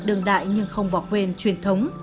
đường đại nhưng không bỏ quên truyền thống